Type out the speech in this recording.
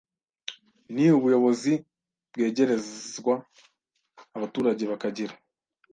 Ni ubuyobozi bwegerezwa abaturage bakagira